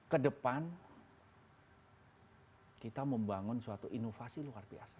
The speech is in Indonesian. ke depan kita membangun suatu inovasi luar biasa